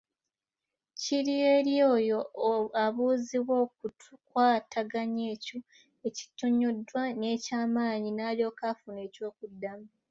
Kiri eri oyo abuuzibwa okukwataganya ekyo ekinnyonnyoddwa n’ekyamanyi n’alyoka afuna ekyokuddamu.